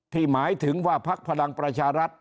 หมายถึงว่าพักพลังประชารัฐ